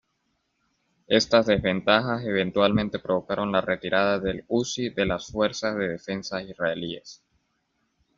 Estas desventajas eventualmente provocaron la retirada del Uzi de las Fuerzas de Defensa Israelíes.